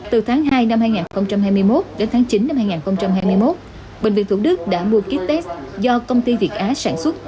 từ tháng hai năm hai nghìn hai mươi một đến tháng chín năm hai nghìn hai mươi một bệnh viện thủ đức đã mua kit test do công ty việt á sản xuất